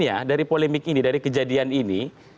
iya dari polemik ini dari kejadian ini